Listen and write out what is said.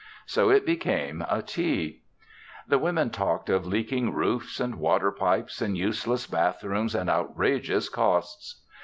So it became a tea. The women talked of leaking roofs and water pipes and useless bathrooms and outrageous costs.